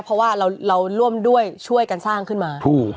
เพราะว่าเราร่วมด้วยช่วยกันสร้างขึ้นมา